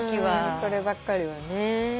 こればっかりはね。